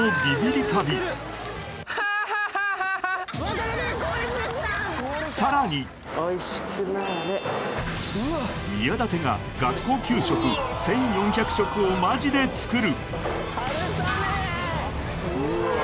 カエル出てきたさらに宮舘が学校給食１４００食をマジで作る！